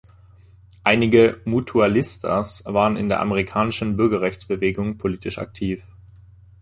Einige „Mutualistas“ waren in der amerikanischen Bürgerrechtsbewegung politisch aktiv.